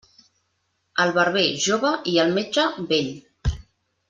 El barber, jove, i el metge, vell.